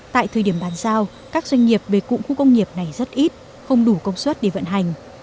tại thời điểm bán giao các doanh nghiệp về cụng công nghiệp này rất ít không đủ công suất để vận hành